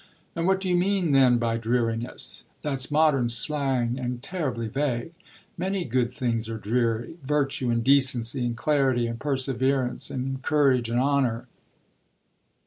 "And what do you mean then by dreariness? That's modern slang and terribly vague. Many good things are dreary virtue and decency and charity, and perseverance and courage and honour."